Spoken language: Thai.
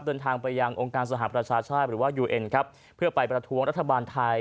เดินทางไปยังองค์การสหประชาชาติหรือว่ายูเอ็นครับเพื่อไปประท้วงรัฐบาลไทย